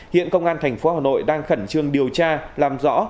hiện công an thành phố hà nội đang khẩn trương điều tra làm rõ